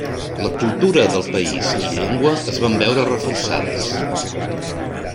La cultura del país i llengua es van veure reforçades.